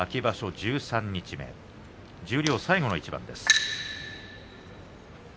十三日目十両最後の一番です。